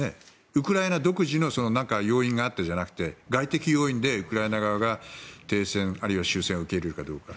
ウクライナ独自の要因があってじゃなくて外的要因で、ウクライナ側が停戦、あるいは終戦を受け入れるかどうか。